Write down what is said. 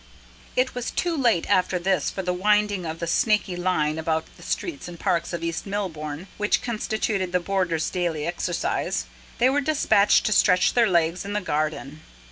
It was too late after this for the winding of the snaky line about the streets and parks of East Melbourne, which constituted the boarders' daily exercise. They were despatched to stretch their legs in the garden.